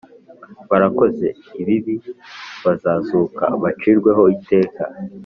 barakoze ibibi bazazuka bacirweho iteka